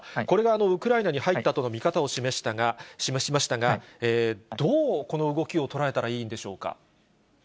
これがウクライナに入ったとの見方を示しましたが、どうこの動きを捉えたらいいんでしょうか。